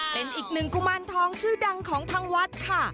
เป็นอีกหนึ่งกุมารทองชื่อดังของทางวัดค่ะ